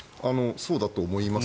そうだと思います。